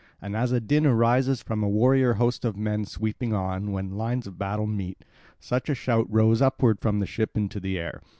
And as a din arises from a warrior host of men sweeping on, when lines of battle meet, such a shout rose upward from the ship into the air.